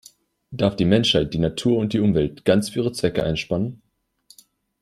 Darf die Menschheit die Natur und die Umwelt ganz für ihre Zwecke einspannen?